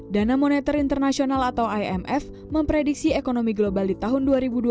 dana moneter internasional atau imf memprediksi ekonomi global di tahun dua ribu dua puluh satu